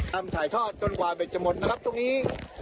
ทำถ่ายทอดจนกว่าเบ็ดจะหมดนะครับตรงนี้